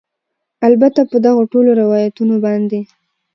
البته په دغه ټولو روایتونو باندې